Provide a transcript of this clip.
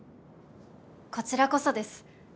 こちらこそです。